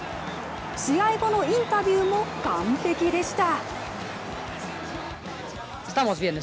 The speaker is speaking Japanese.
試合後のインタビューも完璧でした。